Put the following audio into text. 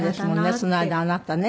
その間あなたね。